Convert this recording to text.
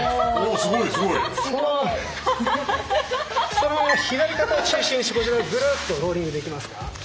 すごい！そのまま左肩を中心にしてこちらの方にグルッとローリングできますか？